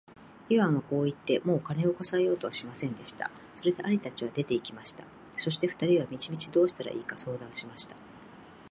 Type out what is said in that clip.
イワンはこう言って、もう金をこさえようとはしませんでした。それで兄たちは出て行きました。そして二人は道々どうしたらいいか相談しました。